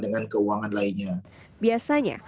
dengan keuangan lainnya biasanya